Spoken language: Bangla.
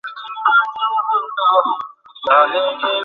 উদ্বিগ্ন হবেন না, কাজটা নামের মতো কঠিন না।